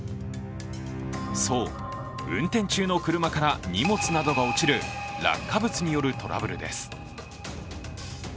そう、運転中の車から荷物などが落ちる落下物によるトラブルです。